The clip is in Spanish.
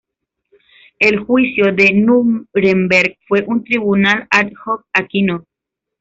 El juicio de Núremberg fue un tribunal ad hoc, aquí no.